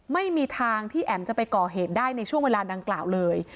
ไม่มีทางที่แอ๋มจะไปก่อเหตุได้ในช่วงเวลาดังกล่าวเลย